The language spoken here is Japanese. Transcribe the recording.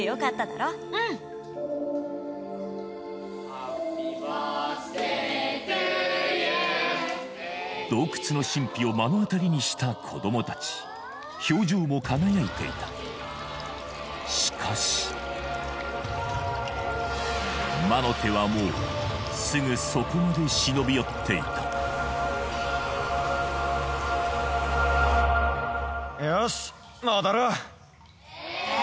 ハッピーバースデートゥーユー洞窟の神秘を目の当たりにした子ども達表情も輝いていたしかし魔の手はもうすぐそこまで忍び寄っていたえ